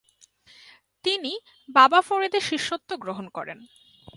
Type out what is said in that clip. তিনি বাবা ফরিদের শিষ্যত্ব গ্রহণ করেন।